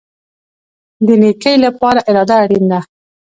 د نیکۍ لپاره اراده اړین ده